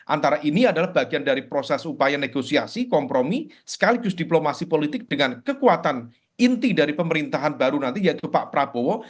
antara ini adalah bagian dari proses upaya negosiasi kompromi sekaligus diplomasi politik dengan kekuatan inti dari pemerintahan baru nanti yaitu pak prabowo